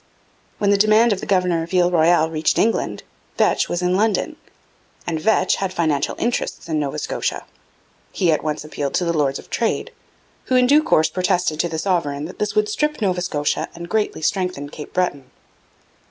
When the demand of the governor of Ile Royale reached England, Vetch was in London; and Vetch had financial interests in Nova Scotia. He at once appealed to the Lords of Trade, who in due course protested to the sovereign 'that this would strip Nova Scotia and greatly strengthen Cape Breton.'